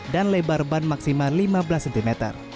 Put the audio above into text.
dan lebar ban maksimal lima belas cm